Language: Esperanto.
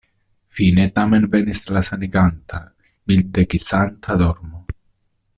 Fine tamen venis la saniganta, mildekisanta dormo.